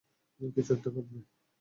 কিছু একটা ঘটবে!